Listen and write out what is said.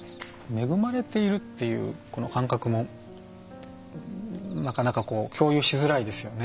恵まれているという感覚もなかなか共有しづらいですよね。